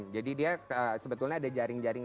jadi dia sebetulnya ada jaring jaring